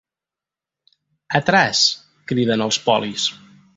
¡¡Atrás! —criden els polis.